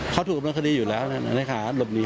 เช่นละครั้งนี้